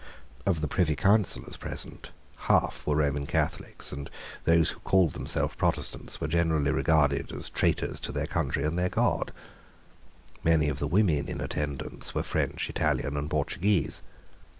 Of the Privy Councillors present half were Roman Catholics; and those who called themselves Protestants were generally regarded as traitors to their country and their God. Many of the women in attendance were French, Italian, and Portuguese.